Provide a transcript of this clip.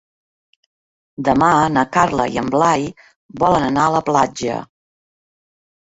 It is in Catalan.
Demà na Carla i en Blai volen anar a la platja.